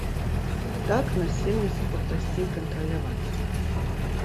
Так насельніцтва прасцей кантраляваць.